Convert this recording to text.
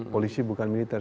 polisi bukan militer